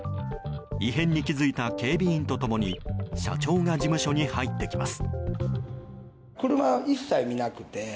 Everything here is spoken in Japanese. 異変に気付いた警備員と共に社長が事務所に入ってきます。